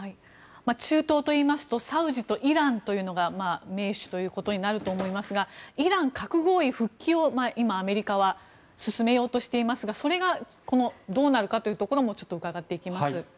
中東といいますとサウジとイランというのが盟主ということになると思いますがイラン核合意復帰を今、アメリカは進めようとしていますがそれがどうなるかというところも伺っていきます。